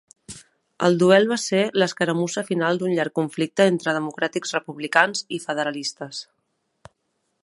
El duel va ser l'escaramussa final d'un llarg conflicte entre democràtics-republicans i federalistes.